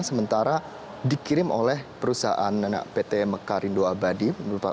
sementara dikirim oleh perusahaan pt mekarindo abadi